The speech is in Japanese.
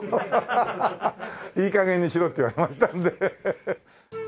ハハハハいい加減にしろって言われましたんで。